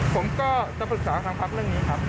ผมก็จะปรึกษาทางพักเรื่องนี้ครับ